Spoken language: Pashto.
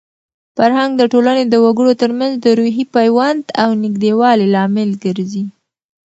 فرهنګ د ټولنې د وګړو ترمنځ د روحي پیوند او د نږدېوالي لامل ګرځي.